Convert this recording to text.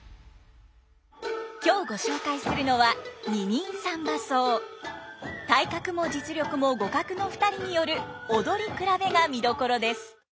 今日ご紹介するのは体格も実力も互角の２人による踊り比べが見どころです。